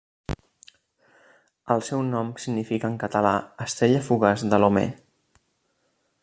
El seu nom significa en català Estrella fugaç de Lomé.